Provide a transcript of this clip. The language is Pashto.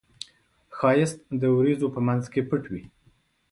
ښایست د وریځو په منځ کې پټ وي